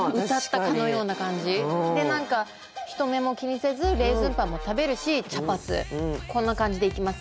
で何か人目も気にせずレーズンパンも食べるし茶髪こんな感じでいきます。